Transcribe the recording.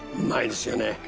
うまいですよね。